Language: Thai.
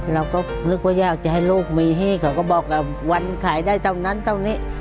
เราก็นึกว่าอยากจะให้ลูกมีให้เขาก็บอกกับวันขายได้เท่านั้นเท่านี้